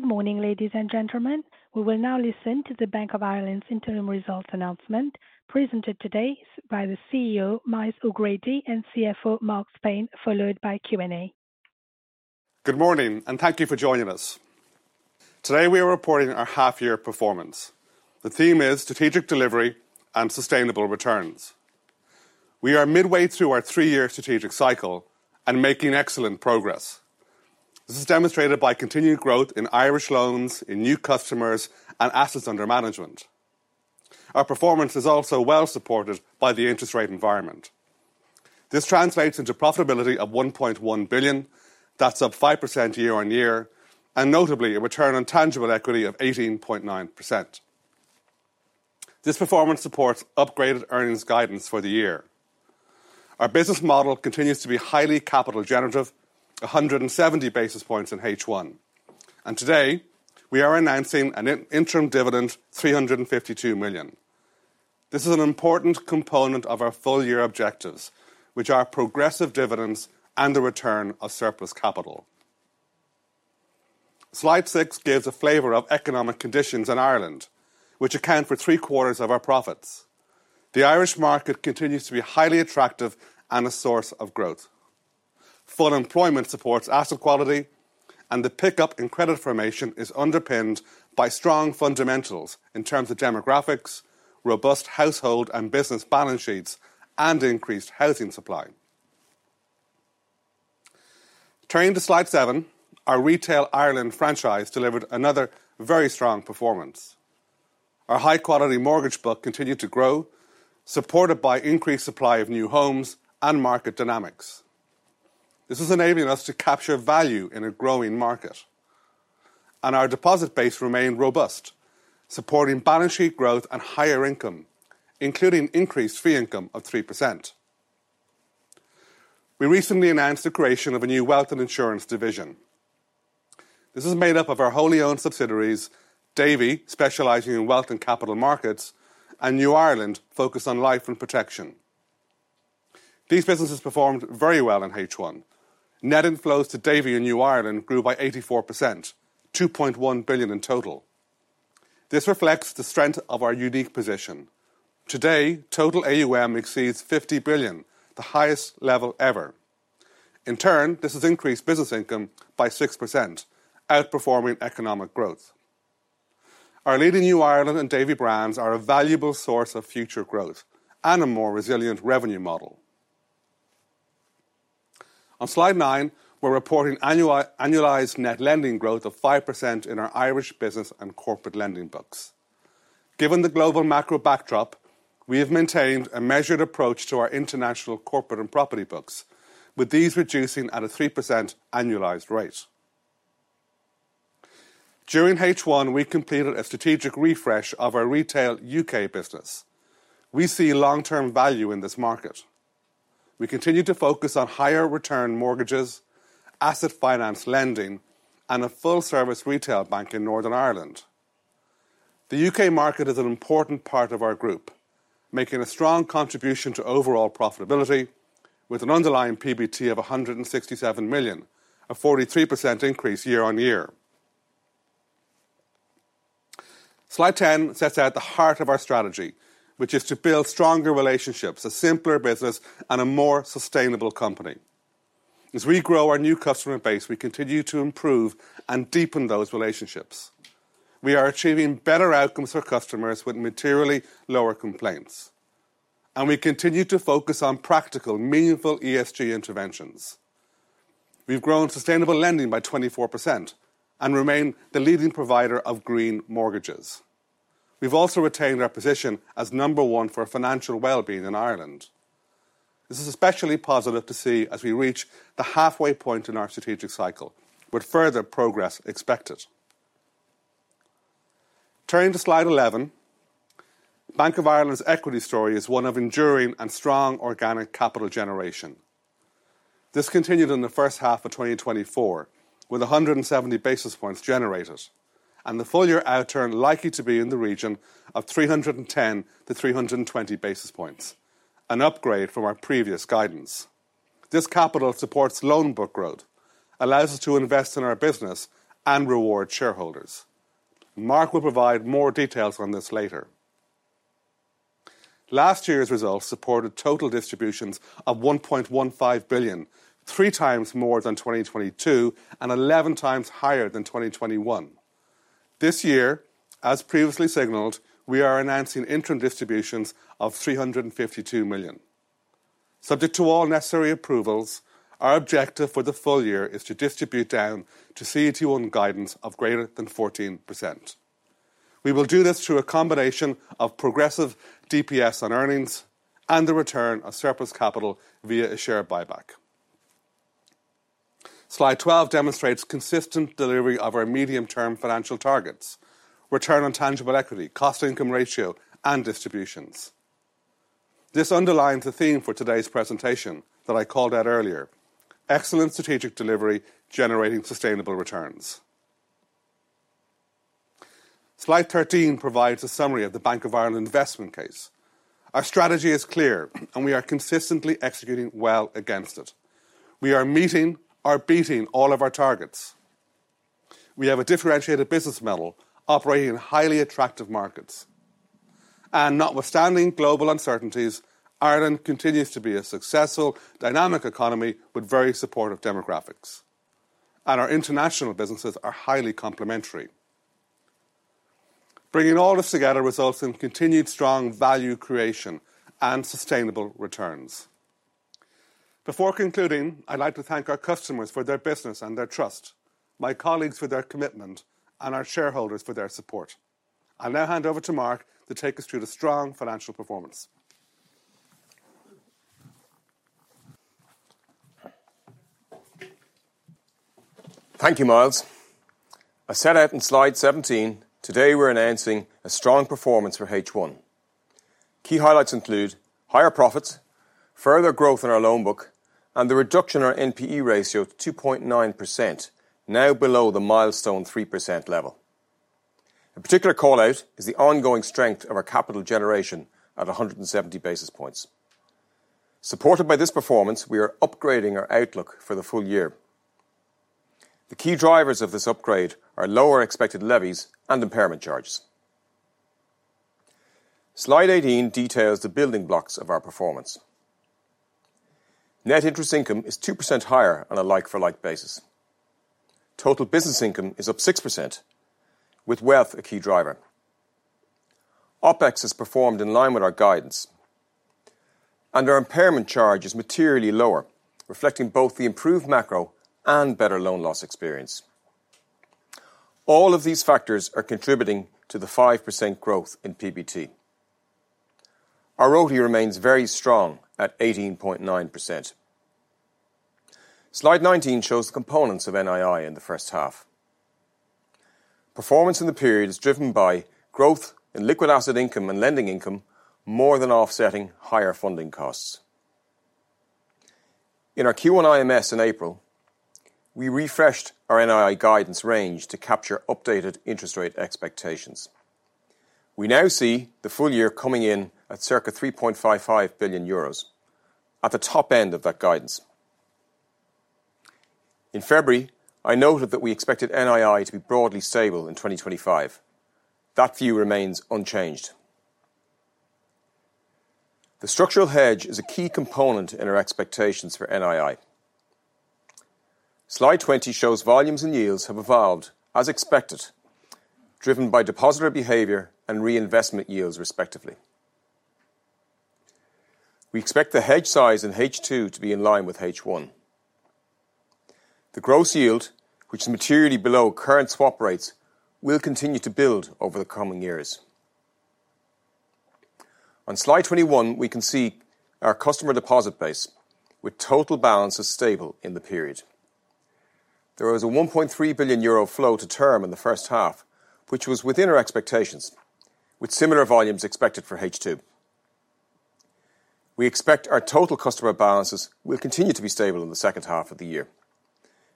Good morning, ladies and gentlemen. We will now listen to the Bank of Ireland's interim results announcement, presented today by the CEO, Myles O'Grady, and CFO, Mark Spain, followed by Q&A. Good morning, and thank you for joining us. Today, we are reporting our half-year performance. The theme is strategic delivery and sustainable returns. We are midway through our three-year strategic cycle and making excellent progress. This is demonstrated by continued growth in Irish loans, in new customers, and assets under management. Our performance is also well supported by the interest rate environment. This translates into profitability of 1.1 billion. That's up 5% year-on-year, and notably, a return on tangible equity of 18.9%. This performance supports upgraded earnings guidance for the year. Our business model continues to be highly capital generative, 170 basis points in H1, and today, we are announcing an interim dividend, 352 million. This is an important component of our full year objectives, which are progressive dividends and the return of surplus capital. Slide six gives a flavor of economic conditions in Ireland, which account for three-quarters of our profits. The Irish market continues to be highly attractive and a source of growth. Full employment supports asset quality, and the pickup in credit formation is underpinned by strong fundamentals in terms of demographics, robust household and business balance sheets, and increased housing supply. Turning to slide seven, our Retail Ireland franchise delivered another very strong performance. Our high-quality mortgage book continued to grow, supported by increased supply of new homes and market dynamics. This is enabling us to capture value in a growing market, and our deposit base remained robust, supporting balance sheet growth and higher income, including increased fee income of 3%. We recently announced the creation of a new wealth and insurance division. This is made up of our wholly owned subsidiaries, Davy, specializing in wealth and capital markets, and New Ireland, focused on life and protection. These businesses performed very well in H1. Net inflows to Davy and New Ireland grew by 84%, 2.1 billion in total. This reflects the strength of our unique position. Today, total AUM exceeds 50 billion, the highest level ever. In turn, this has increased business income by 6%, outperforming economic growth. Our leading New Ireland and Davy brands are a valuable source of future growth and a more resilient revenue model. On slide 9, we're reporting annualized net lending growth of 5% in our Irish business and corporate lending books. Given the global macro backdrop, we have maintained a measured approach to our international, corporate, and property books, with these reducing at a 3% annualized rate. During H1, we completed a strategic refresh of our retail U.K. business. We see long-term value in this market. We continue to focus on higher return mortgages, asset finance lending, and a full-service retail bank in Northern Ireland. The U.K. market is an important part of our group, making a strong contribution to overall profitability with an underlying PBT of 167 million, a 43% increase year-on-year. Slide 10 sets out the heart of our strategy, which is to build stronger relationships, a simpler business, and a more sustainable company. As we grow our new customer base, we continue to improve and deepen those relationships. We are achieving better outcomes for customers with materially lower complaints, and we continue to focus on practical, meaningful ESG interventions. We've grown sustainable lending by 24% and remain the leading provider of green mortgages. We've also retained our position as number one for financial well-being in Ireland. This is especially positive to see as we reach the halfway point in our strategic cycle, with further progress expected. Turning to slide 11, Bank of Ireland's equity story is one of enduring and strong organic capital generation. This continued in the first half of 2024, with 170 basis points generated and the full-year outturn likely to be in the region of 310-320 basis points, an upgrade from our previous guidance. This capital supports loan book growth, allows us to invest in our business, and reward shareholders. Mark will provide more details on this later. Last year's results supported total distributions of 1.15 billion, 3x more than 2022, and 11x higher than 2021. This year, as previously signaled, we are announcing interim distributions of 352 million. Subject to all necessary approvals, our objective for the full year is to distribute down to CET1 guidance of greater than 14%. We will do this through a combination of progressive DPS on earnings and the return of surplus capital via a share buyback. Slide 12 demonstrates consistent delivery of our medium-term financial targets: return on tangible equity, cost income ratio, and distributions. This underlines the theme for today's presentation that I called out earlier, excellent strategic delivery, generating sustainable returns. Slide 13 provides a summary of the Bank of Ireland investment case. Our strategy is clear, and we are consistently executing well against it. We are meeting or beating all of our targets. We have a differentiated business model, operating in highly attractive markets. Notwithstanding global uncertainties, Ireland continues to be a successful, dynamic economy with very supportive demographics, and our international businesses are highly complementary. Bringing all this together results in continued strong value creation and sustainable returns. Before concluding, I'd like to thank our customers for their business and their trust, my colleagues for their commitment, and our shareholders for their support. I'll now hand over to Mark to take us through the strong financial performance. Thank you, Myles. As set out in slide 17, today we're announcing a strong performance for H1. Key highlights include higher profits, further growth in our loan book, and the reduction in our NPE ratio to 2.9%, now below the milestone 3% level. A particular call-out is the ongoing strength of our capital generation at 170 basis points. Supported by this performance, we are upgrading our outlook for the full year. The key drivers of this upgrade are lower expected levies and impairment charges. Slide 18 details the building blocks of our performance. Net interest income is 2% higher on a like-for-like basis. Total business income is up 6%, with wealth a key driver. OpEx has performed in line with our guidance, and our impairment charge is materially lower, reflecting both the improved macro and better loan loss experience. All of these factors are contributing to the 5% growth in PBT. Our ROTE remains very strong at 18.9%. Slide 19 shows the components of NII in the first half. Performance in the period is driven by growth in liquid asset income and lending income, more than offsetting higher funding costs. In our Q1 IMS in April, we refreshed our NII guidance range to capture updated interest rate expectations. We now see the full year coming in at circa 3.55 billion euros, at the top end of that guidance. In February, I noted that we expected NII to be broadly stable in 2025. That view remains unchanged. The structural hedge is a key component in our expectations for NII. Slide 20 shows volumes and yields have evolved as expected, driven by depositor behavior and reinvestment yields, respectively. We expect the hedge size in H2 to be in line with H1. The gross yield, which is materially below current swap rates, will continue to build over the coming years. On Slide 21, we can see our customer deposit base with total balances stable in the period. There was a 1.3 billion euro flow to term in the first half, which was within our expectations, with similar volumes expected for H2. We expect our total customer balances will continue to be stable in the second half of the year.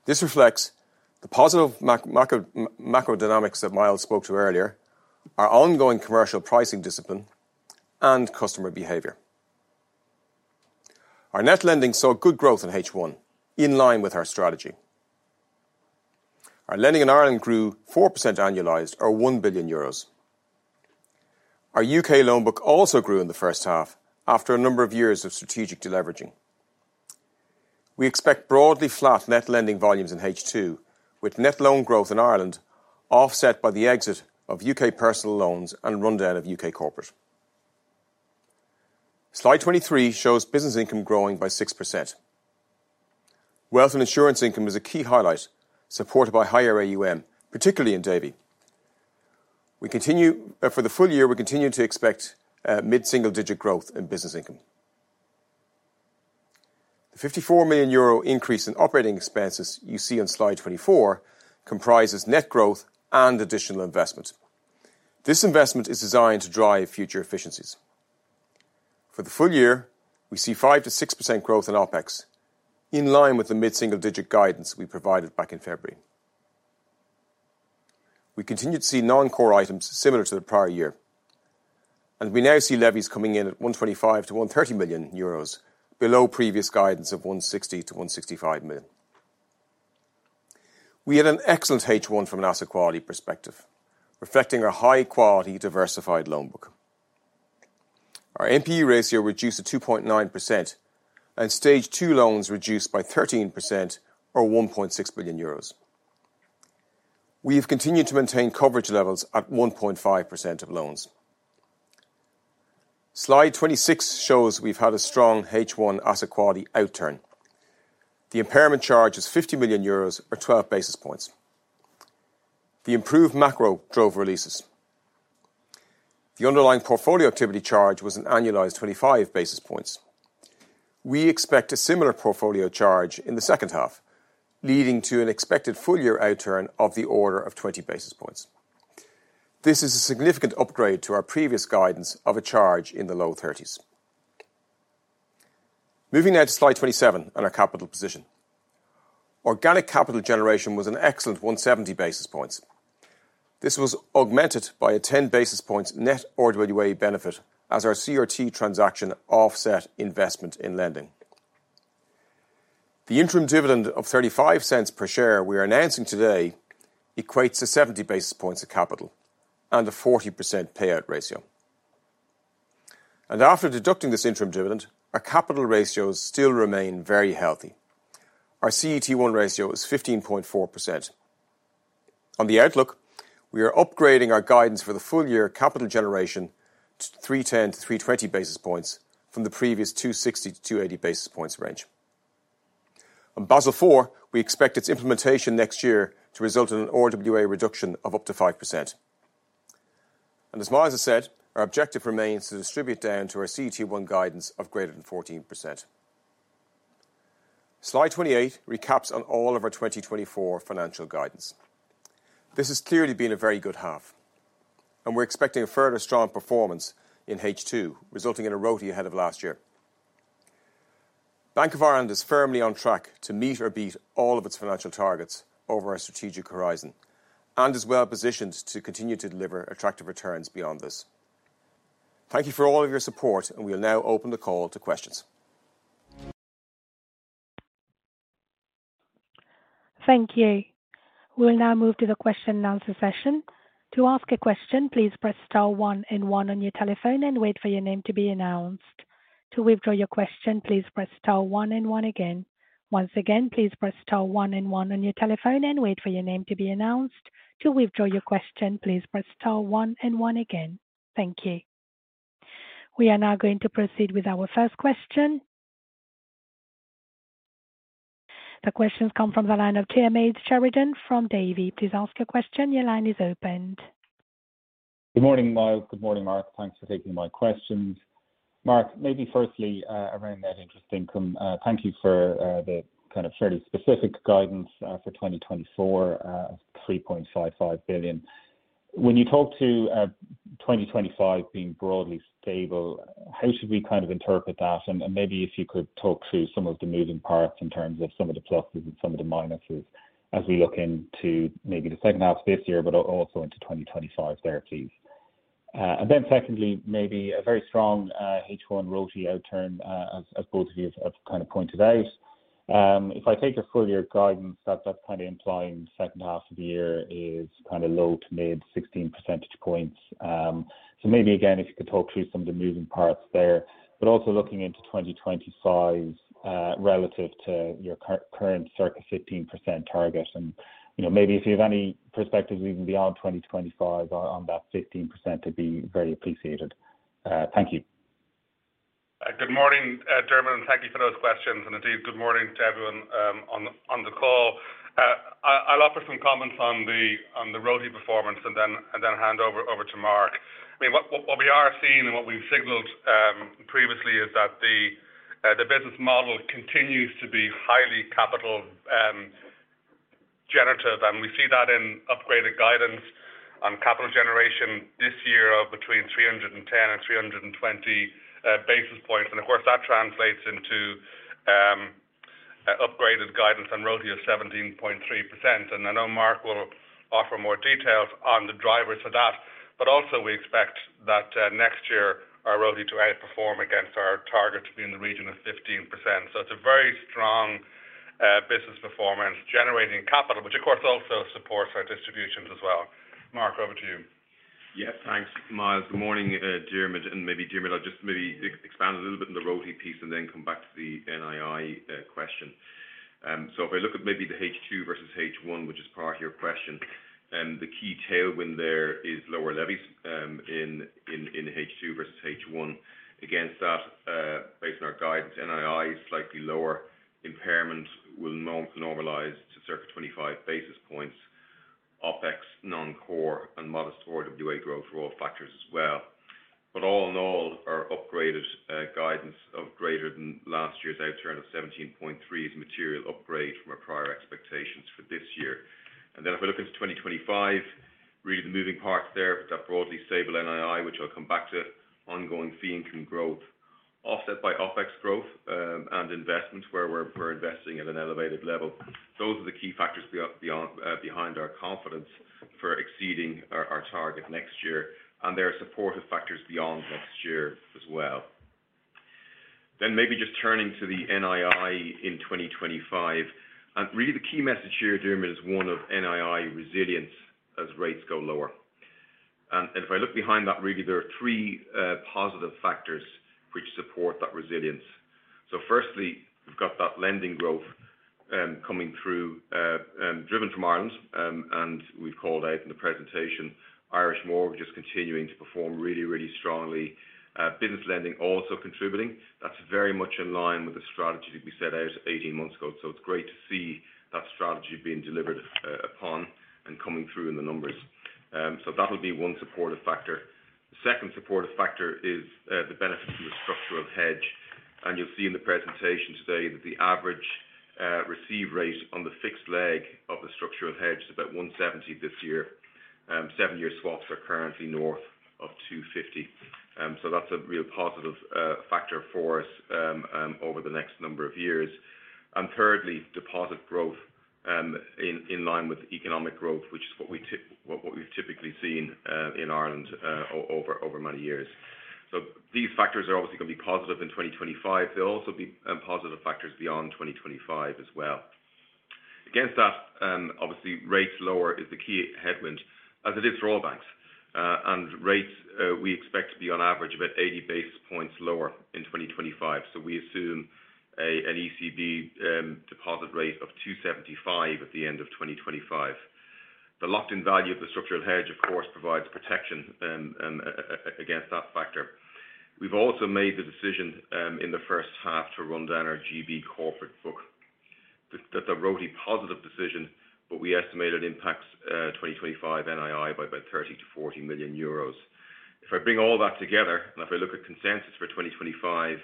This reflects the positive macro dynamics that Myles spoke to earlier, our ongoing commercial pricing discipline, and customer behavior. Our net lending saw good growth in H1, in line with our strategy. Our lending in Ireland grew 4% annualized or 1 billion euros. Our U.K. loan book also grew in the first half after a number of years of strategic deleveraging. We expect broadly flat net lending volumes in H2, with net loan growth in Ireland offset by the exit of U.K. personal loans and rundown of U.K. corporate. Slide 23 shows business income growing by 6%. Wealth and insurance income is a key highlight, supported by higher AUM, particularly in Davy. We continue, for the full year, we continue to expect mid-single-digit growth in business income. The 54 million euro increase in operating expenses you see on Slide 24 comprises net growth and additional investment. This investment is designed to drive future efficiencies. For the full year, we see 5%-6% growth in OpEx, in line with the mid-single-digit guidance we provided back in February. We continue to see non-core items similar to the prior year, and we now see levies coming in at 125 million-130 million euros, below previous guidance of 160 million-165 million. We had an excellent H1 from an asset quality perspective, reflecting our high-quality, diversified loan book. Our NPE ratio reduced to 2.9%, and Stage 2 loans reduced by 13% or 1.6 billion euros. We have continued to maintain coverage levels at 1.5% of loans. Slide 26 shows we've had a strong H1 asset quality outturn. The impairment charge is 50 million euros or 12 basis points. The improved macro drove releases. The underlying portfolio activity charge was an annualized 25 basis points. We expect a similar portfolio charge in the second half, leading to an expected full year outturn of the order of 20 basis points. This is a significant upgrade to our previous guidance of a charge in the low 30s. Moving now to Slide 27 on our capital position. Organic capital generation was an excellent 170 basis points. This was augmented by a 10 basis points net RWA benefit as our CRT transaction offset investment in lending. The interim dividend of 0.35 per share we are announcing today equates to 70 basis points of capital and a 40% payout ratio. And after deducting this interim dividend, our capital ratios still remain very healthy. Our CET1 ratio is 15.4%. On the outlook, we are upgrading our guidance for the full year capital generation to 310-320 basis points from the previous 260-280 basis points range. On Basel IV, we expect its implementation next year to result in an RWA reduction of up to 5%. As Myles has said, our objective remains to distribute down to our CET1 guidance of greater than 14%. Slide 28 recaps on all of our 2024 financial guidance. This has clearly been a very good half, and we're expecting a further strong performance in H2, resulting in a ROTE ahead of last year. Bank of Ireland is firmly on track to meet or beat all of its financial targets over our strategic horizon, and is well positioned to continue to deliver attractive returns beyond this. Thank you for all of your support, and we'll now open the call to questions. Thank you. We'll now move to the question and answer session. To ask a question, please press star one and one on your telephone and wait for your name to be announced. To withdraw your question, please press star one and one again. Once again, please press star one and one on your telephone and wait for your name to be announced. To withdraw your question, please press star one and one again. Thank you. We are now going to proceed with our first question. The questions come from the line of Diarmaid Sheridan from Davy. Please ask your question. Your line is open. Good morning, Myles. Good morning, Mark. Thanks for taking my questions. Mark, maybe firstly, around that interest income. Thank you for the kind of fairly specific guidance for 2024, 3.55 billion. When you talk to 2025 being broadly stable, how should we kind of interpret that? And, and maybe if you could talk through some of the moving parts in terms of some of the pluses and some of the minuses as we look into maybe the second half of this year, but also into 2025 there, please. And then secondly, maybe a very strong H1 ROTE outturn, as both of you have kind of pointed out. If I take your full year guidance, that's kind of implying the second half of the year is kind of low to mid-16 percentage points. So maybe again, if you could talk through some of the moving parts there, but also looking into 2025, relative to your current circa 15% target. You know, maybe if you have any perspective even beyond 2025 on that 15% it'd be very appreciated. Thank you. Good morning, Diarmaid, and thank you for those questions. Indeed, good morning to everyone on the call. I'll offer some comments on the ROTE performance and then hand over to Mark. I mean, what we are seeing and what we've signaled previously is that the business model continues to be highly capital generative, and we see that in upgraded guidance on capital generation this year of between 310 and 320 basis points. Of course, that translates into upgraded guidance on ROTE of 17.3%. I know Mark will offer more details on the drivers for that, but also we expect that next year our ROTE to outperform against our target to be in the region of 15%. So it's a very strong, business performance generating capital, which of course also supports our distributions as well. Mark, over to you. Yeah, thanks, Myles. Good morning, Diarmaid, and maybe Diarmaid, I'll just maybe expand a little bit on the ROTE piece and then come back to the NII question. So if I look at maybe the H2 versus H1, which is part of your question, the key tailwind there is lower levies in H2 versus H1. Against that, based on our guidance, NII is slightly lower. Impairment will normalize to circa 25 basis points, OpEx non-core and modest RWA growth for all factors as well. But all in all, our upgraded guidance of greater than last year's outturn of 17.3 is a material upgrade from our prior expectations for this year. And then if we look into 2025, really the moving parts there, that broadly stable NII, which I'll come back to, ongoing fee income growth, offset by OpEx growth, and investment, where we're investing at an elevated level. Those are the key factors beyond behind our confidence for exceeding our target next year, and there are supportive factors beyond next year as well. Then maybe just turning to the NII in 2025, and really the key message here, Diarmaid, is one of NII resilience as rates go lower. And if I look behind that, really there are three positive factors which support that resilience. So firstly, we've got that lending growth coming through, driven from Ireland, and we've called out in the presentation, Irish Mortgage is continuing to perform really, really strongly. Business lending also contributing. That's very much in line with the strategy that we set out 18 months ago. So it's great to see that strategy being delivered upon and coming through in the numbers. So that'll be one supportive factor. The second supportive factor is the benefit from the structural hedge. And you'll see in the presentation today that the average receive rate on the fixed leg of the structural hedge is about 170 this year. Seven-year swaps are currently north of 250. So that's a real positive factor for us over the next number of years. And thirdly, deposit growth in line with economic growth, which is what we've typically seen in Ireland over many years. So these factors are obviously going to be positive in 2025. They'll also be positive factors beyond 2025 as well. Against that, obviously rate lower is the key headwind, as it is for all banks. And rates, we expect to be on average about 80 basis points lower in 2025. So we assume an ECB deposit rate of 2.75 at the end of 2025. The locked-in value of the structural hedge, of course, provides protection against that factor. We've also made the decision in the first half to run down our GB corporate book. That's a ROTE positive decision, but we estimate it impacts 2025 NII by about 30 million-40 million euros. If I bring all that together, and if I look at consensus for 2025,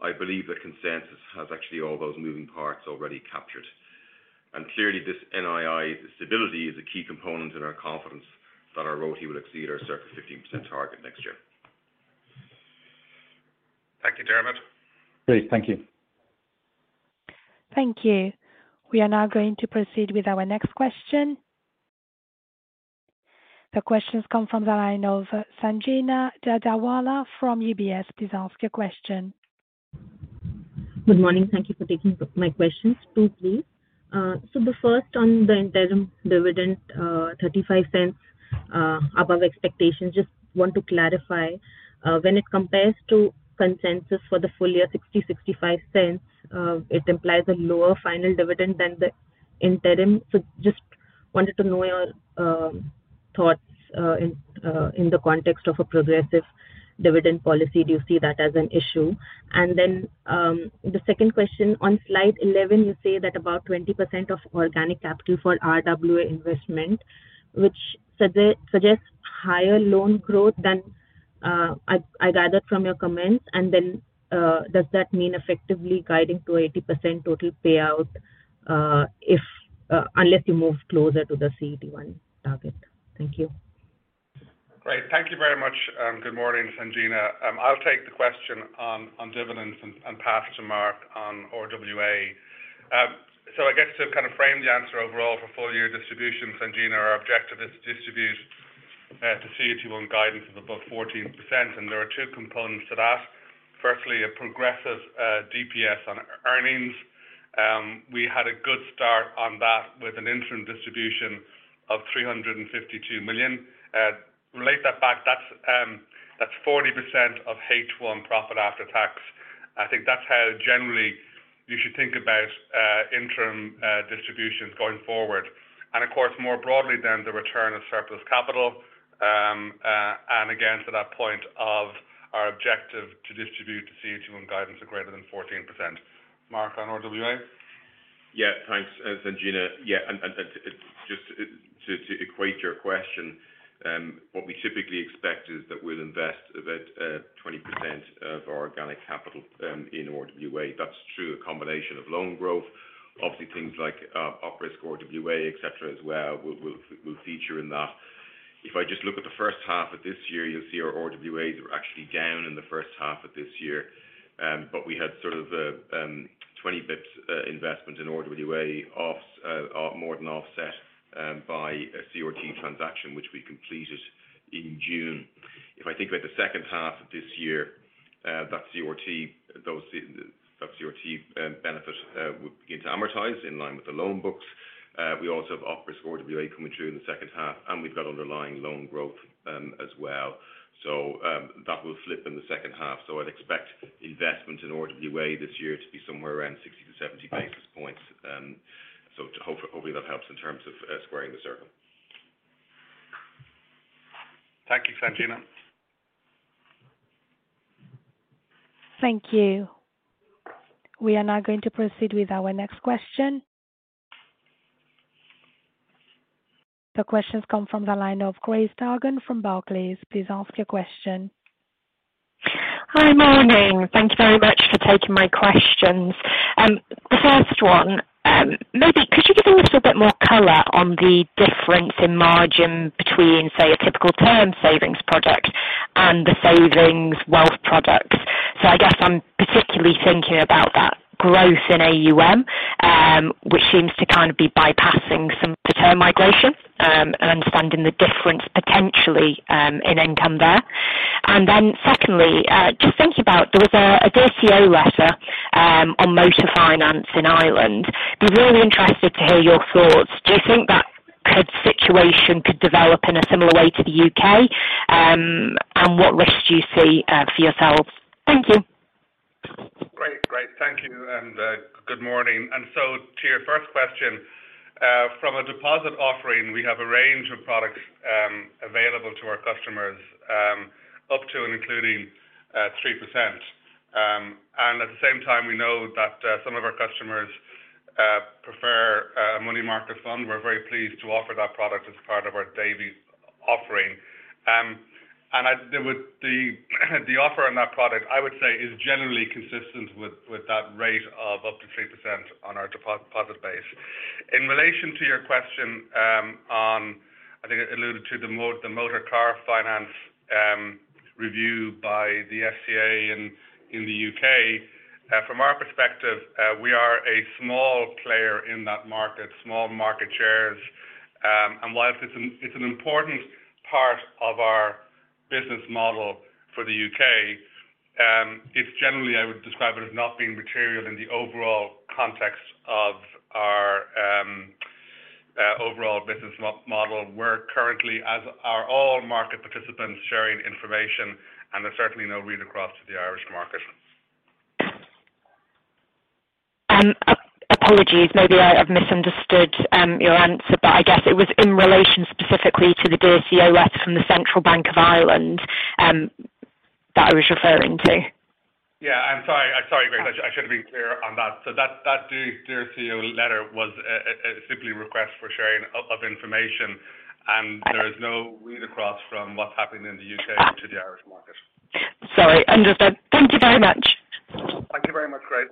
I believe that consensus has actually all those moving parts already captured. Clearly, this NII stability is a key component in our confidence that our ROTE will exceed our surplus 15% target next year. Thank you very much. Great. Thank you. Thank you. We are now going to proceed with our next question. The question's come from the line of Sanjena Dadawala from UBS. Please ask your question. Good morning. Thank you for taking my questions. Two, please. So the first on the interim dividend, 35 cents above expectations. Just want to clarify, when it compares to consensus for the full year 65 cents, it implies a lower final dividend than the interim. So just wanted to know your thoughts, in the context of a progressive dividend policy. Do you see that as an issue? And then, the second question, on slide 11, you say that about 20% of organic capital for RWA investment, which suggests higher loan growth than I gathered from your comments. And then, does that mean effectively guiding to 80% total payout, if unless you move closer to the CET1 target? Thank you. Great. Thank you very much, and good morning, Sanjena. I'll take the question on dividends and pass to Mark on RWA. So I guess to kind of frame the answer overall for full year distribution, Sanjena, our objective is to distribute to CET1 guidance of above 14%, and there are two components to that. Firstly, a progressive DPS on earnings. We had a good start on that with an interim distribution of 352 million. Relate that back, that's 40% of H1 profit after tax. I think that's how generally you should think about interim distributions going forward. And of course, more broadly than the return of surplus capital. And again, to that point of our objective to distribute to CET1 guidance of greater than 14%. Mark, on RWA? Yeah, thanks, Sanjena. Yeah, and just to equate your question, what we typically expect is that we'll invest about 20% of our organic capital in RWA. That's through a combination of loan growth, obviously things like op risk, RWA, et cetera, as well, will feature in that. If I just look at the first half of this year, you'll see our RWAs were actually down in the first half of this year. But we had sort of 20 bips investment in RWA, offset more than by a CRT transaction, which we completed in June. If I think about the second half of this year, that CRT benefit will begin to amortize in line with the loan books. We also have OpEx for RWA coming through in the second half, and we've got underlying loan growth, as well. So, that will flip in the second half, so I'd expect investment in RWA this year to be somewhere around 60-70 basis points. So, hopefully that helps in terms of squaring the circle. Thank you, Sanjena. Thank you. We are now going to proceed with our next question. The question's come from the line of Grace Dargan from Barclays. Please ask your question. Hi, morning. Thank you very much for taking my questions. The first one, maybe could you give a little bit more color on the difference in margin between, say, a typical term savings product and the savings wealth products? So I guess I'm particularly thinking about that growth in AUM, which seems to kind of be bypassing some of the term migration, and understanding the difference potentially, in income there. And then secondly, just thinking about, there was a, a Dear CEO letter, on motor finance in Ireland. Be really interested to hear your thoughts. Do you think that kind of situation could develop in a similar way to the U.K.? And what risks do you see, for yourselves? Thank you. Great. Great, thank you, and good morning. And so to your first question, from a deposit offering, we have a range of products, available to our customers, up to and including, 3%. And at the same time, we know that, some of our customers, money market fund, we're very pleased to offer that product as part of our daily offering. And I, there was the, the offer on that product, I would say, is generally consistent with, with that rate of up to 3% on our deposit, deposit base. In relation to your question, on, I think it alluded to the mo- the motor car finance, review by the FCA in, in the U.K.. From our perspective, we are a small player in that market, small market shares. And while it's an important part of our business model for the U.K., it's generally, I would describe it as not being material in the overall context of our overall business model. We're currently, as are all market participants, sharing information, and there's certainly no read across to the Irish market. Apologies, maybe I have misunderstood your answer, but I guess it was in relation specifically to the Dear CEO letter from the Central Bank of Ireland that I was referring to. Yeah. I'm sorry, I'm sorry, Grace. I should have been clear on that. So that Dear CEO letter was a simple request for sharing of information, and there is no read across from what's happening in the U.K. to the Irish market. Sorry, understood. Thank you very much. Thank you very much, Grace.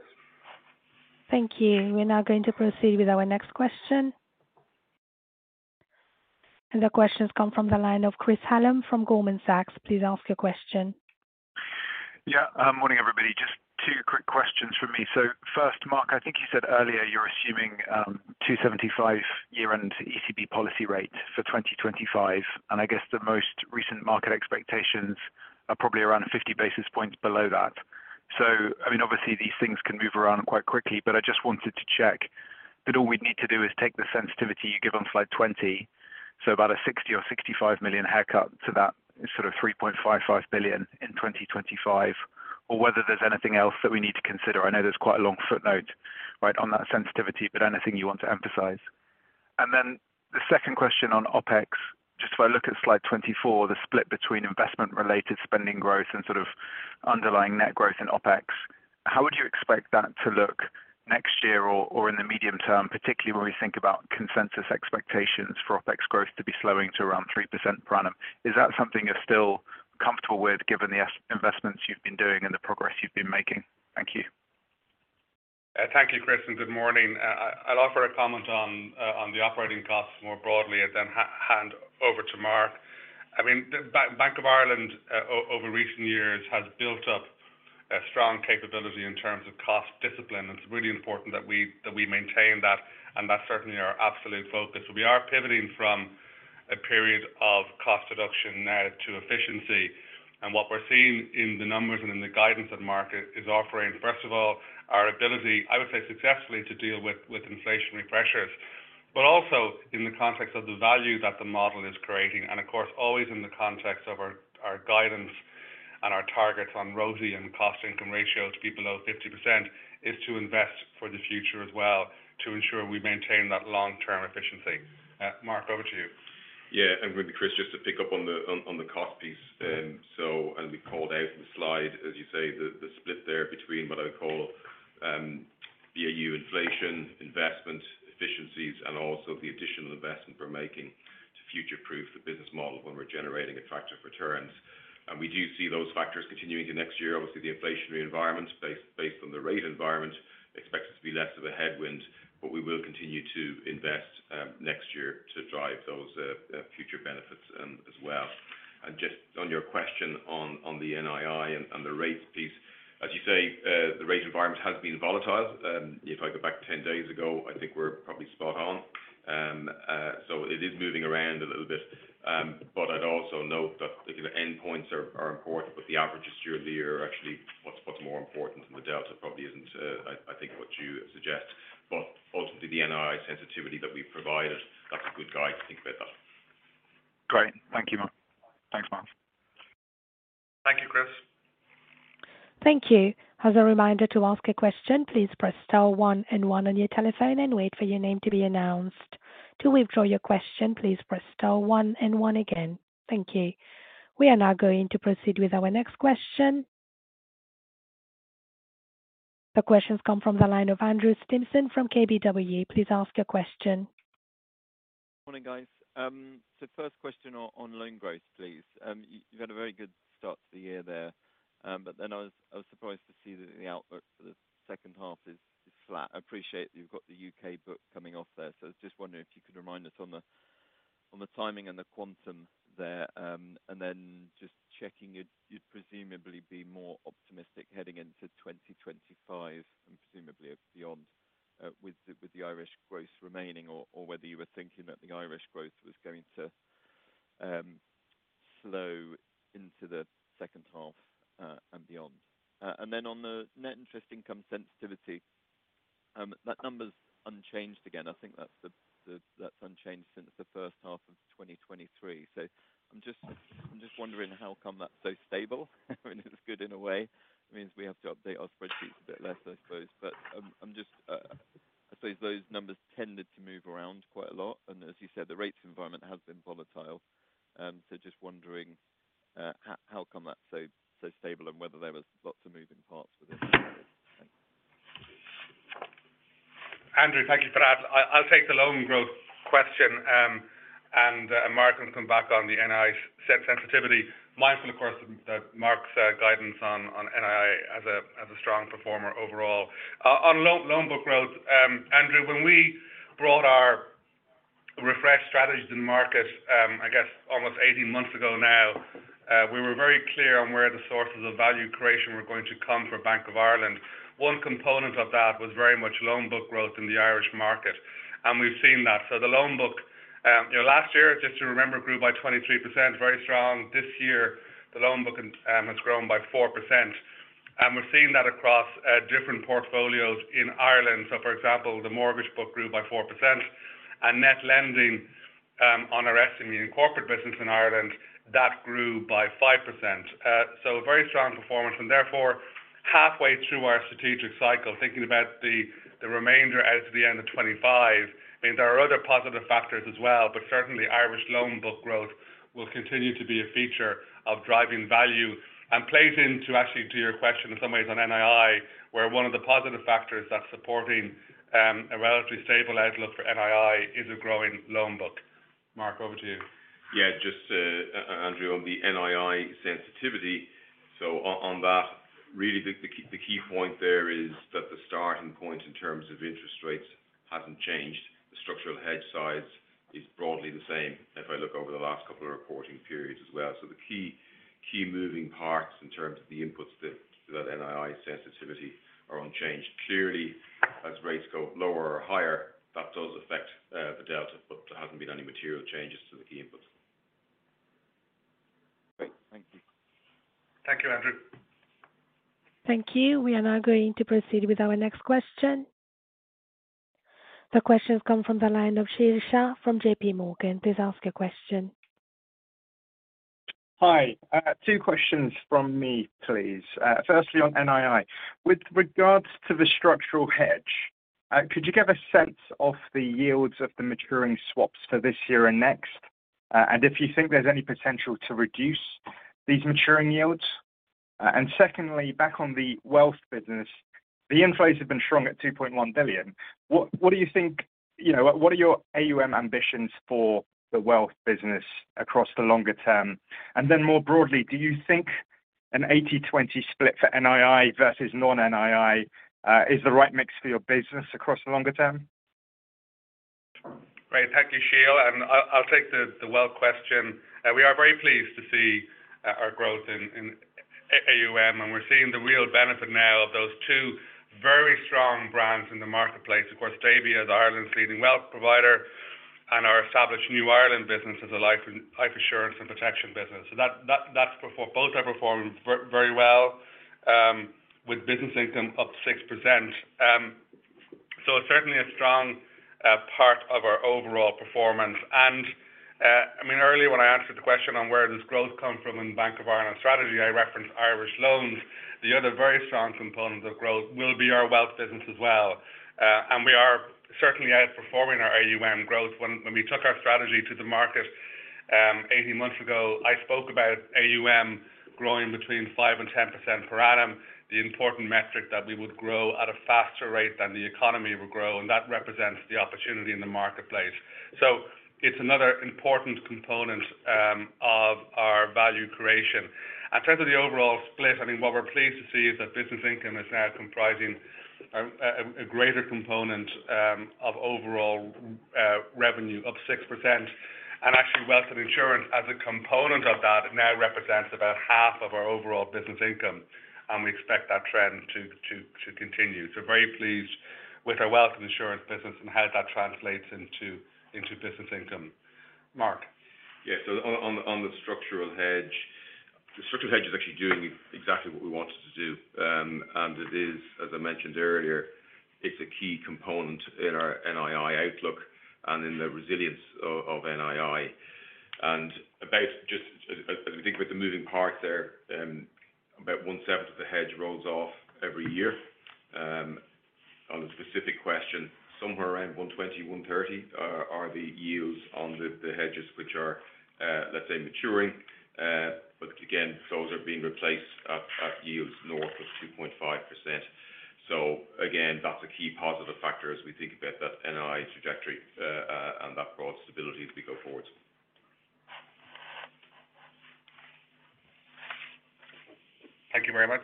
Thank you. We're now going to proceed with our next question. The question's come from the line of Chris Hallam from Goldman Sachs. Please ask your question. Yeah. Morning, everybody. Just two quick questions from me. So first, Mark, I think you said earlier, you're assuming 2.75 year-end ECB policy rate for 2025, and I guess the most recent market expectations are probably around 50 basis points below that. So, I mean, obviously these things can move around quite quickly, but I just wanted to check that all we'd need to do is take the sensitivity you give on slide 20, so about a 60 million or 65 million haircut to that sort of 3.55 billion in 2025, or whether there's anything else that we need to consider. I know there's quite a long footnote, right, on that sensitivity, but anything you want to emphasize? And then the second question on OpEx, just if I look at slide 24, the split between investment-related spending growth and sort of underlying net growth in OpEx. How would you expect that to look next year or in the medium term, particularly when we think about consensus expectations for OpEx growth to be slowing to around 3% per annum? Is that something you're still comfortable with, given the investments you've been doing and the progress you've been making? Thank you. Thank you, Chris, and good morning. I’ll offer a comment on the operating costs more broadly and then hand over to Mark. I mean, the Bank of Ireland over recent years has built up a strong capability in terms of cost discipline. It’s really important that we, that we maintain that, and that’s certainly our absolute focus. We are pivoting from a period of cost reduction now to efficiency. And what we’re seeing in the numbers and in the guidance of the market is offering, first of all, our ability, I would say, successfully, to deal with inflationary pressures. But also in the context of the value that the model is creating, and of course, always in the context of our, our guidance and our targets on ROTE and cost income ratio to be below 50%, is to invest for the future as well, to ensure we maintain that long-term efficiency. Mark, over to you. Yeah, and maybe, Chris, just to pick up on the cost piece. So, and we called out in the slide, as you say, the split there between what I call, BAU inflation, investment, efficiencies, and also the additional investment we're making to future-proof the business model when we're generating attractive returns. And we do see those factors continuing into next year. Obviously, the inflationary environment based on the rate environment, expected to be less of a headwind, but we will continue to invest next year to drive those future benefits as well. And just on your question on the NII and the rates piece, as you say, the rate environment has been volatile. If I go back 10 days ago, I think we're probably spot on. So it is moving around a little bit. But I'd also note that the endpoints are important, but the averages year-over-year are actually what's more important, and the delta probably isn't, I think what you suggest. But ultimately, the NII sensitivity that we've provided, that's a good guide to think about that. Great. Thank you, Mark. Thanks, Mark. Thank you, Chris. Thank you. As a reminder, to ask a question, please press star one and one on your telephone and wait for your name to be announced. To withdraw your question, please press star one and one again. Thank you. We are now going to proceed with our next question. The question's come from the line of Andrew Stimpson from KBW. Please ask your question. Morning, guys. So first question on loan growth, please. You've had a very good start to the year there, but then I was surprised to see that the outlook for the second half is flat. I appreciate that you've got the U.K. book coming off there, so I was just wondering if you could remind us on the timing and the quantum there. And then just checking, you'd presumably be more optimistic heading into 2025 and presumably beyond, with the Irish growth remaining or whether you were thinking that the Irish growth was going to slow into the second half and beyond. And then on the net interest income sensitivity, that number's unchanged again. I think that's the, that's unchanged since the first half of 2023. I'm just, I'm just wondering how come that's so stable? I mean, it's good in a way. It means we have to update our spreadsheets a bit less, I suppose. But, I'm just, I suppose those numbers tended to move around quite a lot, and as you said, the rates environment has been volatile. So just wondering how come that's so, so stable, and whether there was lots of moving parts with it? Andrew, thank you for that. I'll take the loan growth question, and Mark can come back on the NII sensitivity. Mindful, of course, of Mark's guidance on NII as a strong performer overall. On loan book growth, Andrew, when we brought our refreshed strategies in the market, I guess almost 18 months ago now, we were very clear on where the sources of value creation were going to come for Bank of Ireland. One component of that was very much loan book growth in the Irish market, and we've seen that. So the loan book, you know, last year, just to remember, grew by 23%, very strong. This year, the loan book has grown by 4%, and we're seeing that across different portfolios in Ireland. So for example, the mortgage book grew by 4% and net lending, on our estimate in corporate business in Ireland, that grew by 5%. So very strong performance and therefore, halfway through our strategic cycle, thinking about the remainder out to the end of 2025. I mean, there are other positive factors as well, but certainly Irish loan book growth will continue to be a feature of driving value. And plays into, actually, to your question in some ways on NII, where one of the positive factors that's supporting, a relatively stable outlook for NII is a growing loan book. Mark, over to you. Yeah, just, Andrew, on the NII sensitivity. So on that, really the key point there is that the starting point in terms of interest rates hasn't changed. The structural hedge size is broadly the same if I look over the last couple of reporting periods as well. So the key, key moving parts in terms of the inputs to that NII sensitivity are unchanged. Clearly, as rates go lower or higher, that does affect the delta, but there hasn't been any material changes to the key inputs. Great. Thank you. Thank you, Andrew. Thank you. We are now going to proceed with our next question. The question comes from the line of Sheel Shah from JPMorgan. Please ask your question. Hi. Two questions from me, please. Firstly, on NII. With regards to the structural hedge, could you give a sense of the yields of the maturing swaps for this year and next? And if you think there's any potential to reduce these maturing yields. And secondly, back on the wealth business, the inflows have been strong at 2.1 billion. What, what do you think, you know, what are your AUM ambitions for the wealth business across the longer term? And then more broadly, do you think an 80-20 split for NII versus non-NII is the right mix for your business across the longer term? Great. Thank you, Sheel, and I'll take the wealth question. We are very pleased to see our growth in AUM, and we're seeing the real benefit now of those two very strong brands in the marketplace. Of course, Davy, as Ireland's leading wealth provider, and our established New Ireland business as a life and life insurance and protection business. So that's performed. Both have performed very well, with business income up 6%. So certainly a strong part of our overall performance. I mean, earlier when I answered the question on where this growth come from in Bank of Ireland strategy, I referenced Irish loans. The other very strong component of growth will be our wealth business as well. And we are certainly outperforming our AUM growth. When we took our strategy to the market, 18 months ago, I spoke about AUM growing between 5%-10% per annum. The important metric that we would grow at a faster rate than the economy would grow, and that represents the opportunity in the marketplace. So it's another important component of our value creation. In terms of the overall split, I mean, what we're pleased to see is that business income is now comprising a greater component of overall revenue, up 6%. And actually, wealth and insurance, as a component of that, now represents about half of our overall business income, and we expect that trend to continue. So very pleased with our wealth and insurance business and how that translates into business income. Mark? Yeah. So on the structural hedge, the structural hedge is actually doing exactly what we want it to do. And it is, as I mentioned earlier, it's a key component in our NII outlook and in the resilience of NII. And as we think about the moving parts there, about 1/7 of the hedge rolls off every year. On the specific question, somewhere around 120, 130 are the yields on the hedges which are, let's say, maturing. But again, those are being replaced at yields north of 2.5%. So again, that's a key positive factor as we think about that NII trajectory, and that broad stability as we go forward. Thank you very much.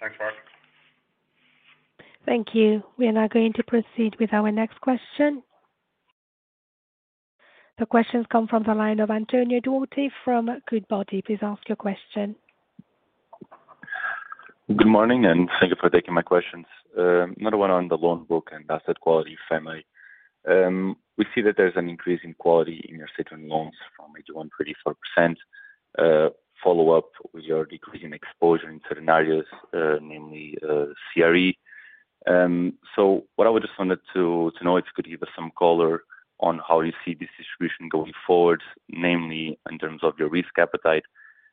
Thanks, Mark. Thank you. We are now going to proceed with our next question. The question's come from the line of Antonio Duarte from Goodbody. Please ask your question. Good morning, and thank you for taking my questions. Another one on the loan book and asset quality family. We see that there's an increase in quality in your settlement loans from 81%-84%. Follow up with your decrease in exposure in certain areas, namely, CRE. So what I just wanted to know, if you could give us some color on how you see this distribution going forward, namely, in terms of your risk appetite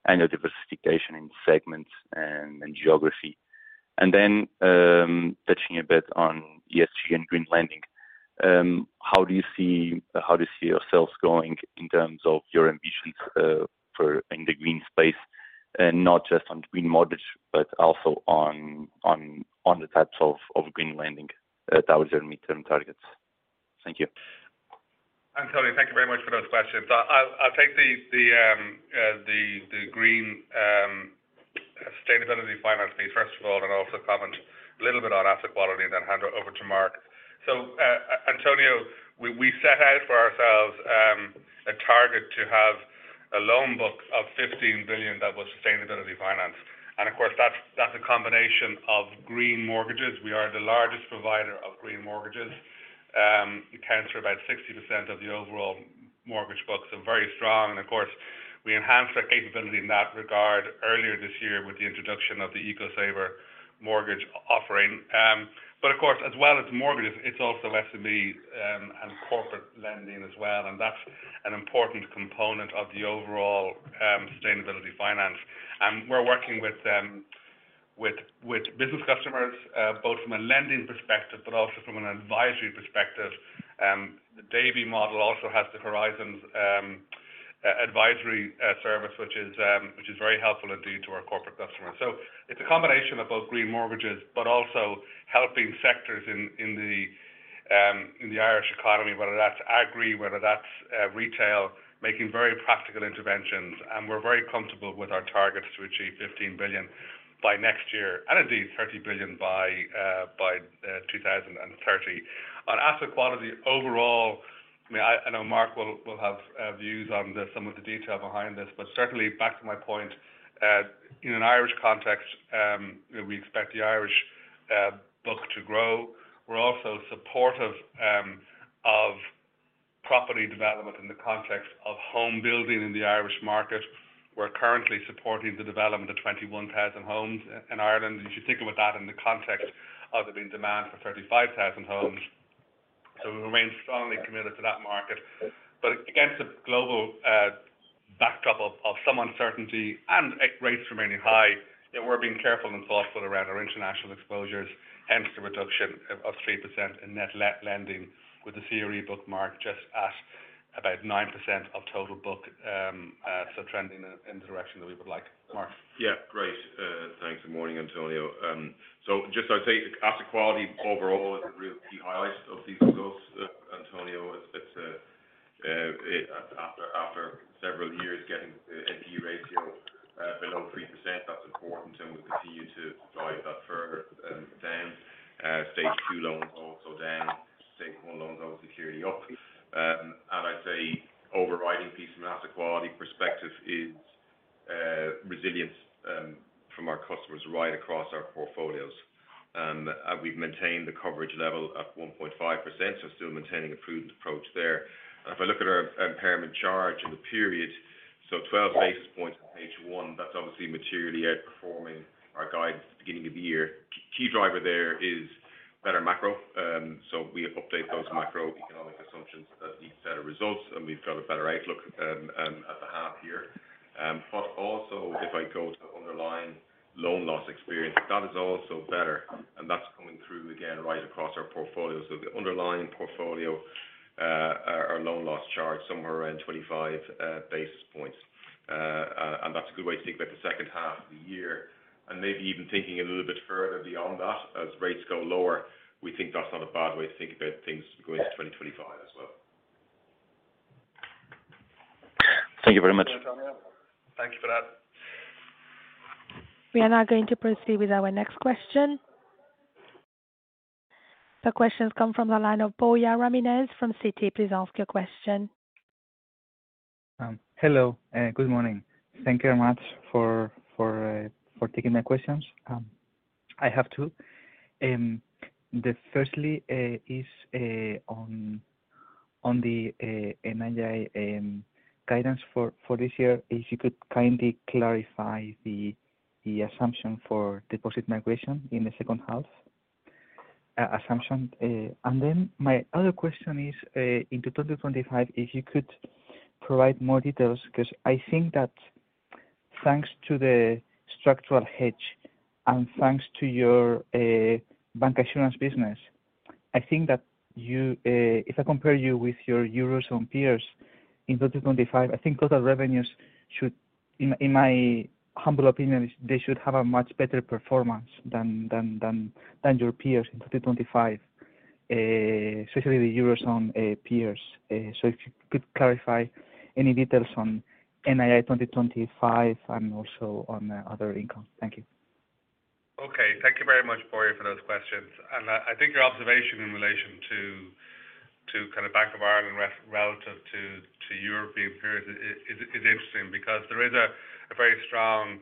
and your diversification in segments and geography and then, touching a bit on ESG and green lending. How do you see yourselves growing in terms of your ambitions for in the green space? And not just on green mortgage, but also on the types of green lending, that was your midterm targets. Thank you. Antonio, thank you very much for those questions. I'll take the green sustainability finance piece first of all, and also comment a little bit on asset quality, and then hand it over to Mark. So, Antonio, we set out for ourselves a target to have a loan book of 15 billion that was sustainability financed. And of course, that's a combination of green mortgages. We are the largest provider of green mortgages. It accounts for about 60% of the overall mortgage book, so very strong. And of course, we enhanced our capability in that regard earlier this year with the introduction of the EcoSaver mortgage offering. But of course, as well as mortgages, it's also SME and corporate lending as well, and that's an important component of the overall sustainability finance. And we're working with business customers both from a lending perspective, but also from an advisory perspective. The Davy model also has the Horizons advisory service, which is very helpful indeed to our corporate customers. So it's a combination of both green mortgages, but also helping sectors in the Irish economy, whether that's agri, whether that's retail, making very practical interventions, and we're very comfortable with our targets to achieve 15 billion by next year, and indeed 30 billion by 2030. On asset quality overall, I mean, I know Mark will have views on some of the detail behind this, but certainly back to my point, in an Irish context, we expect the Irish book to grow. We're also supportive of property development in the context of home building in the Irish market. We're currently supporting the development of 21,000 homes in Ireland, and you should think about that in the context of there being demand for 35,000 homes. So we remain strongly committed to that market. But against a global backdrop of some uncertainty and rates remaining high, yeah, we're being careful and thoughtful around our international exposures, hence the reduction of 3% in net lending, with the CRE book mark just at about 9% of total book, so trending in the direction that we would like. Mark? Yeah, great. Thanks, and morning, Antonio. So just I'd say asset quality overall is a real key highlight of these results, Antonio. After several years getting the NPE ratio below 3%, that's important, and we'll continue to drive that further down. Stage 2 loans are also down. Stage 1 loans, securities are up. And I'd say overriding piece from an asset quality perspective is resilience from our customers right across our portfolios. And we've maintained the coverage level at 1.5%, so still maintaining a prudent approach there. And if I look at our impairment charge in the period, so 12 basis points in H1, that's obviously materially outperforming our guidance at the beginning of the year. Key driver there is better macro. So we have updated those macroeconomic assumptions as these better results, and we've got a better outlook, at the half year. But also if I go to underlying loan loss experience, that is also better, and that's coming through again right across our portfolio. So the underlying portfolio, our loan loss charge is somewhere around 25 basis points. And that's a good way to think about the second half of the year, and maybe even thinking a little bit further beyond that. As rates go lower, we think that's not a bad way to think about things going into 2025 as well. Thank you very much. Thanks for that. We are now going to proceed with our next question. The question has come from the line of Borja Ramirez from Citi. Please ask your question. Hello, good morning. Thank you very much for taking my questions. I have two. Firstly, on the NII guidance for this year. If you could kindly clarify the assumption for deposit migration in the second half, assumption. And then my other question is, in 2025, if you could provide more details, because I think that thanks to the structural hedge and thanks to your bank insurance business, I think that you, if I compare you with your Eurozone peers in 2025, I think total revenues should, in my humble opinion, they should have a much better performance than your peers in 2025, especially the Eurozone peers. So, if you could clarify any details on NII 2025 and also on other income. Thank you. Okay. Thank you very much, Borja, for those questions. I think your observation in relation to kind of Bank of Ireland relative to European peers is interesting because there is a very strong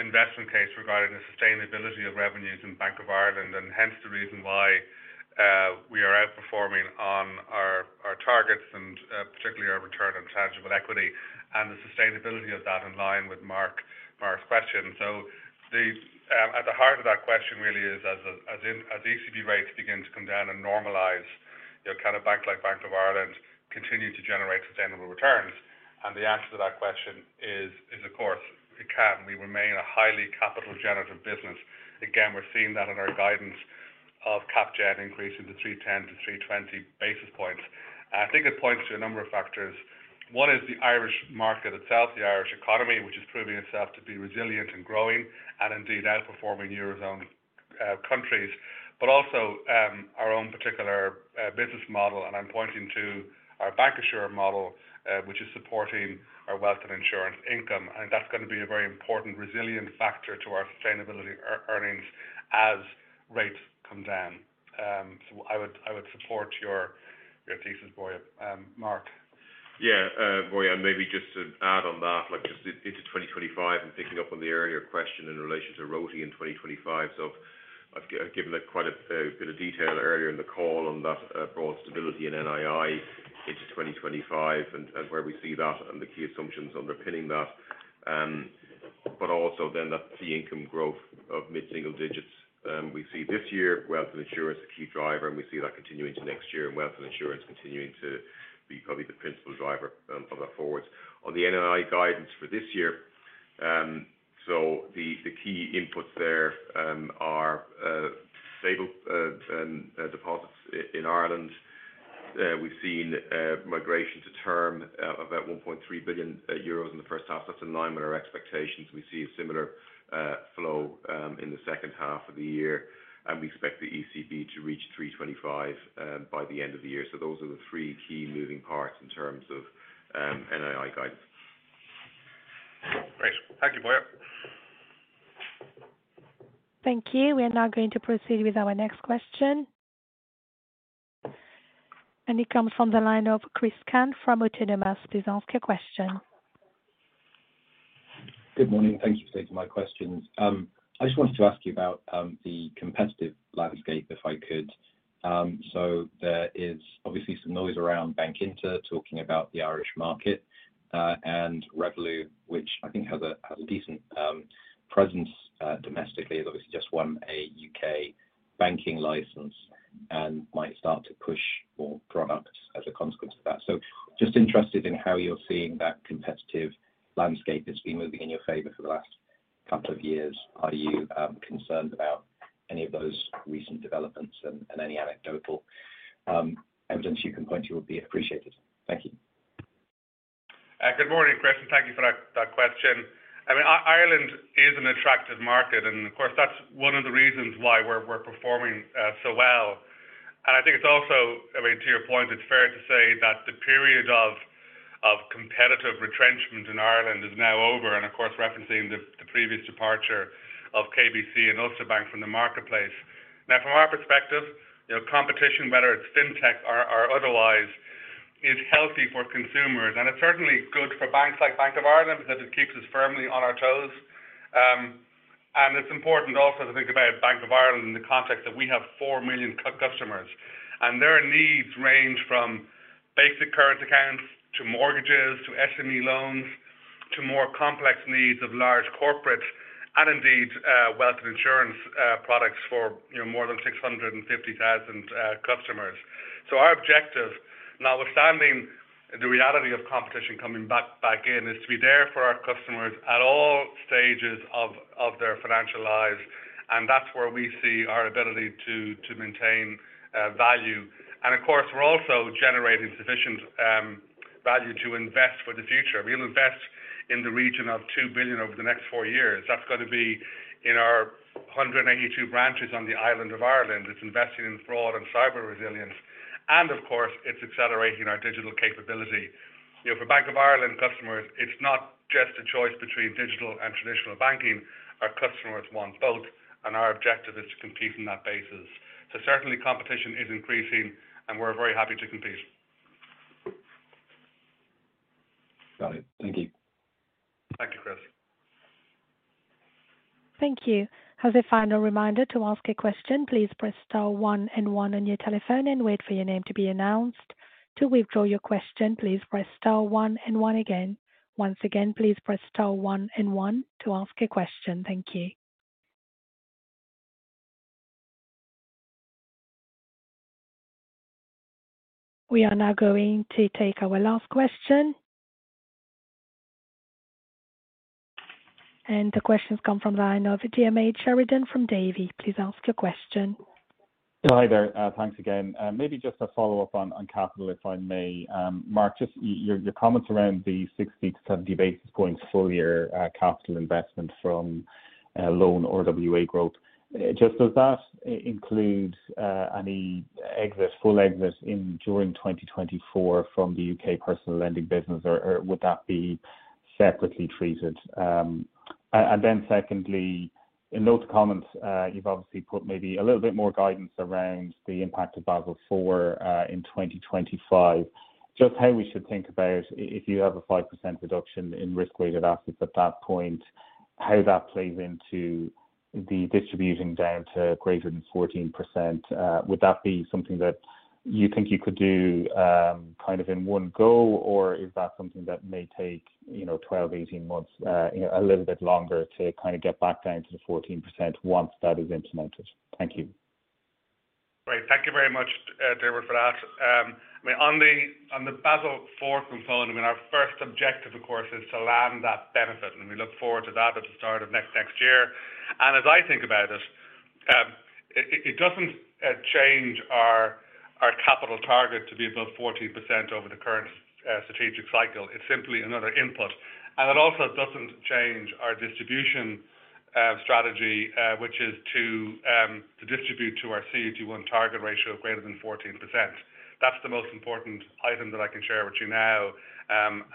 investment case regarding the sustainability of revenues in Bank of Ireland, and hence the reason why we are outperforming on our targets and particularly our return on tangible equity and the sustainability of that in line with Mark's question. So, at the heart of that question, as ECB rates begin to come down and normalize, you know, kind of bank like Bank of Ireland continue to generate sustainable returns. And the answer to that question is, of course, it can. We remain a highly capital generative business. Again, we're seeing that in our guidance of cap gen increase into 310 to 320 basis points. I think it points to a number of factors. One is the Irish market itself, the Irish economy, which is proving itself to be resilient and growing, and indeed outperforming Eurozone countries. But also, our own particular business model, and I'm pointing to our bancassurance model, which is supporting our wealth and insurance income. And that's going to be a very important resilient factor to our sustainability, our earnings, as rates come down. So I would, I would support your, your thesis, Borja. Mark? Yeah, Borja, maybe just to add on that, like just into 2025 and picking up on the earlier question in relation to ROTE in 2025. So I've given it quite a bit of detail earlier in the call on that, broad stability in NII into 2025 and where we see that and the key assumptions underpinning that. But also then that fee income growth of mid-single digits, we see this year, wealth and insurance a key driver, and we see that continuing to next year, and wealth and insurance continuing to be probably the principal driver of that forward. On the NII guidance for this year, so the key inputs there are stable deposits in Ireland. We've seen migration to term about 1.3 billion euros in the first half. That's in line with our expectations. We see a similar flow in the second half of the year, and we expect the ECB to reach 3.25 by the end of the year. So those are the three key moving parts in terms of NII guidance. Thanks. Thank you, Borja. Thank you. We are now going to proceed with our next question. It comes from the line of Christopher Cant from Autonomous. Please ask your question. Good morning. Thank you for taking my questions. I just wanted to ask you about the competitive landscape, if I could. So there is obviously some noise around Bankinter, talking about the Irish market, and Revolut, which I think has a decent presence domestically, has obviously just won a U.K. banking license and might start to push more products as a consequence of that. So just interested in how you're seeing that competitive landscape that's been moving in your favor for the last couple of years. Are you concerned about any of those recent developments? And any anecdotal evidence you can point to will be appreciated. Thank you. Good morning, Chris, and thank you for that, that question. I mean, Ireland is an attractive market, and of course, that's one of the reasons why we're, we're performing so well. And I think it's also, I mean, to your point, it's fair to say that the period of competitive retrenchment in Ireland is now over, and of course, referencing the previous departure of KBC and Ulster Bank from the marketplace. Now, from our perspective, you know, competition, whether it's fintech or otherwise, is healthy for consumers, and it's certainly good for banks like Bank of Ireland, because it keeps us firmly on our toes. And it's important also to think about Bank of Ireland in the context that we have 4 million customers, and their needs range from basic current accounts, to mortgages, to SME loans, to more complex needs of large corporates, and indeed, wealth and insurance products for, you know, more than 650,000 customers. So our objective, notwithstanding the reality of competition coming back in, is to be there for our customers at all stages of their financial lives, and that's where we see our ability to maintain value. And of course, we're also generating sufficient value to invest for the future. We'll invest in the region of 2 billion over the next 4 years. That's going to be in our 182 branches on the island of Ireland. It's investing in fraud and cyber resilience, and of course, it's accelerating our digital capability. You know, for Bank of Ireland customers, it's not just a choice between digital and traditional banking. Our customers want both, and our objective is to compete on that basis. So certainly competition is increasing, and we're very happy to compete. Got it. Thank you. Thank you, Chris. Thank you. As a final reminder to ask a question, please press star one and one on your telephone and wait for your name to be announced. To withdraw your question, please press star one and one again. Once again, please press star one and one to ask a question. Thank you. We are now going to take our last question. The question's come from the line of Diarmaid Sheridan from Davy. Please ask your question. Yeah, hi there. Thanks again. Maybe just a follow-up on, on capital, if I may. Mark, just your, your comments around the 60-70 basis points going full year, capital investment from, loan or RWA growth. Just does that include, any exit, full exit in during 2024 from the U.K. personal lending business, or, or would that be separately treated? And, and then secondly, in those comments, you've obviously put maybe a little bit more guidance around the impact of Basel IV, in 2025. Just how we should think about it- if you have a 5% reduction in risk-weighted assets at that point, how that plays into the distributing down to greater than 14%? Would that be something that you think you could do, kind of in one go, or is that something that may take, you know, 12, 18 months, you know, a little bit longer to kind of get back down to the 14% once that is implemented? Thank you. Great. Thank you very much, Diarmaid, for that. I mean, on the Basel IV component, I mean, our first objective, of course, is to land that benefit, and we look forward to that at the start of next year. As I think about it, it doesn't change our capital target to be above 14% over the current strategic cycle. It's simply another input, and it also doesn't change our distribution strategy, which is to distribute to our CET1 target ratio of greater than 14%. That's the most important item that I can share with you now.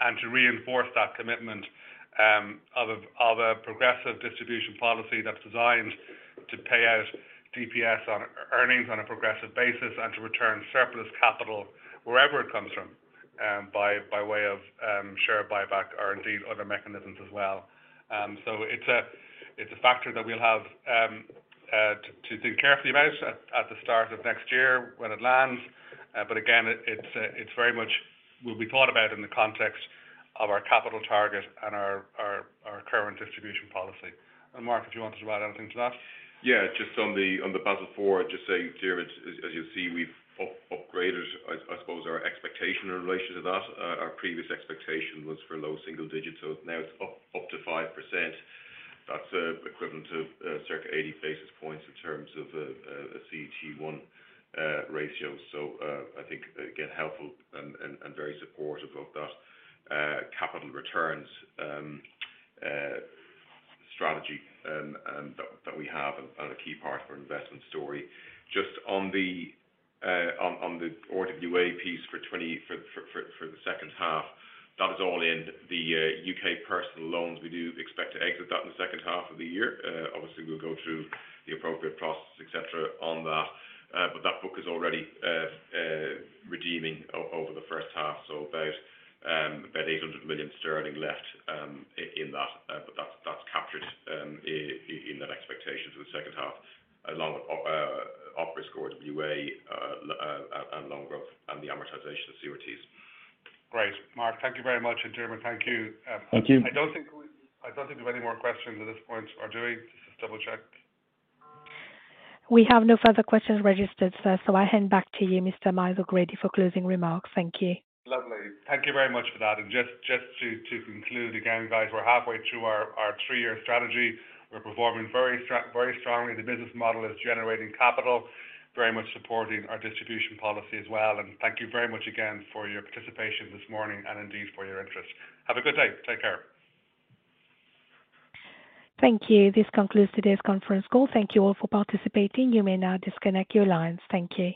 And to reinforce that commitment, of a progressive distribution policy that's designed to pay out DPS on earnings, on a progressive basis, and to return surplus capital wherever it comes from, by way of share buyback or indeed, other mechanisms as well. So it's a factor that we'll have to think carefully about at the start of next year when it lands. But again, it's very much will be thought about in the context of our capital target and our current distribution policy. And Mark, if you wanted to add anything to that? Yeah, just on the Basel IV, just say, Diarmaid, as you'll see, we've upgraded, I suppose our expectation in relation to that. Our previous expectation was for low single digits, so now it's up to 5%. That's equivalent to circa 80 basis points in terms of a CET1 ratio. So I think, again, helpful and very supportive of that capital returns strategy that we have and a key part of our investment story. Just on the RWA piece for the second half, that is all in the U.K. personal loans. We do expect to exit that in the second half of the year. Obviously, we'll go through the appropriate processes, et cetera, on that. But that book is already redeeming over the first half, so about 800 million sterling left in that. But that's captured in that expectation for the second half, along with OpEx core RWA and loan growth, and the amortization of CRTs. Great, Mark, thank you very much. Diarmaid, thank you. Thank you. I don't think we have any more questions at this point. Or do we? Just double check. We have no further questions registered, sir. So I hand back to you, Mr. Myles O'Grady, for closing remarks. Thank you. Lovely. Thank you very much for that. And just to conclude again, guys, we're halfway through our three-year strategy. We're performing very strongly. The business model is generating capital, very much supporting our distribution policy as well. And thank you very much again for your participation this morning and indeed for your interest. Have a good day. Take care. Thank you. This concludes today's conference call. Thank you all for participating. You may now disconnect your lines. Thank you.